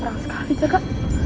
terang sekali caka